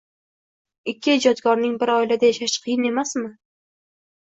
Ikki ijodkorning bir oilada yashashi qiyin emasmi